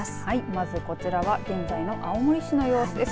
まずこちらは現在の青森市の様子です。